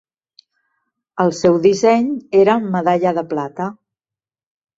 El seu disseny era medalla de plata.